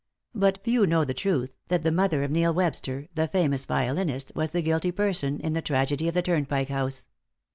But few know the truth, that the mother of Neil Webster, the famous violinist, was the guilty person in the tragedy of the Turnpike House.